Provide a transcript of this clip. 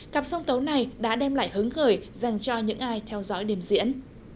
cặp song tấu này đã đem lại hứng khởi dành cho những ai theo dõi điểm diễn